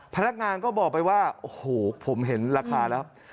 พนักงานก็บอกไปว่าโอ้โหผมเห็นราคาแล้ว